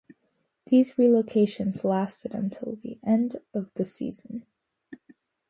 These relocations lasted until the end of the season.